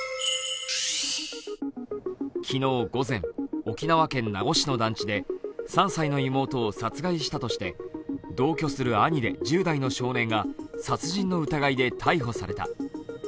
昨日午前、沖縄県名護市の団地で３歳の妹を殺害したとして同居する兄で１０代の少年が殺人の疑いで逮捕された。